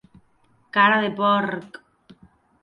Cara de porc.